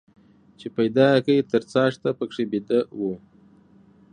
چې پيدا يې کى تر څاښته پکښي بيده وو.